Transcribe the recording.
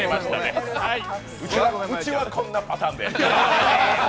うちはこんなパターンで。